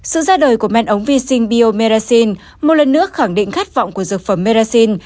sự ra đời của men ống vi sinh biomerracil một lần nữa khẳng định khát vọng của dược phẩm merrain